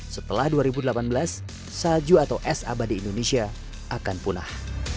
setelah dua ribu delapan belas salju atau es abadi indonesia akan punah